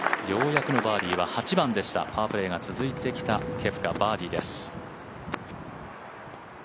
ようやくのバーディーは８番でしたパープレーが続いてきたケプカ、バーディーです。